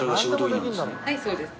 はいそうです。